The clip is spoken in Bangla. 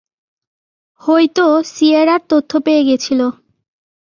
হইতো সিয়েরার তথ্য পেয়ে গেছিল।